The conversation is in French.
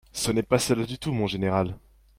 Ce n’est pas cela du tout, mon général.